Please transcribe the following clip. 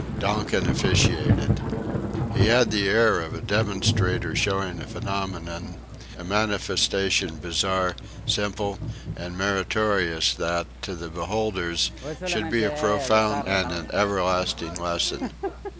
Donkin officiated. He had the air of a demonstrator showing a phenomenon, a manifestation bizarre, simple, and meritorious that, to the beholders, should be a profound and an everlasting lesson.